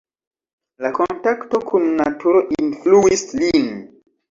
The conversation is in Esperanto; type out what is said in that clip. La kontakto kun naturo influis lin.